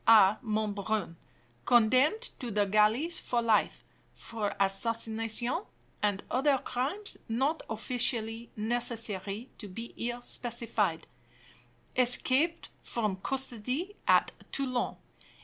A. Monbrun, condemned to the galleys for life, for assassination, and other crimes not officially necessary to be here specified. Escaped from custody at Toulon.